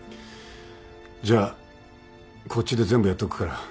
じゃあこっちで全部やっとくから。